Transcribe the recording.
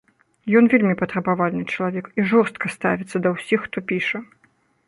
Ён вельмі патрабавальны чалавек і жорстка ставіцца да ўсіх, хто піша.